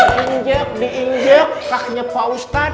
diinjak diinjak kakinya pak ustadz